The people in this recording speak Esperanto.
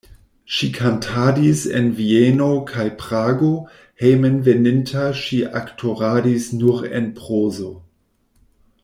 Ŝi kantadis en Vieno kaj Prago, hejmenveninta ŝi aktoradis nur en prozo.